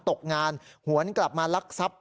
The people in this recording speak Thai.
ตกงานหวนกลับมาลักทรัพย์